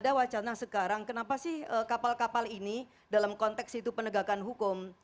ada wacana sekarang kenapa sih kapal kapal ini dalam konteks itu penegakan hukum